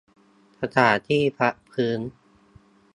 สถานที่พักฟื้น